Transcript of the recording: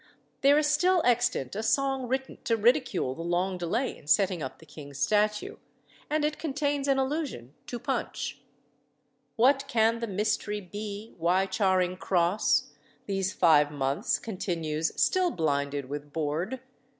There is still extant a song written to ridicule the long delay in setting up the king's statue, and it contains an allusion to "Punch" "What can the mistry be, why Charing Cross These five months continues still blinded with board?